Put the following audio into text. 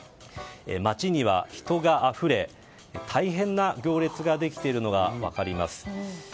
街には人があふれ大変な行列ができているのが分かります。